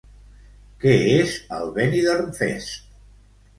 Què és el Benidorm Fest?